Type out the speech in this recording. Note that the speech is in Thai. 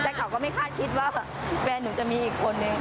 แต่เขาก็ไม่คาดคิดว่าแฟนหนูจะมีอีกคนนึง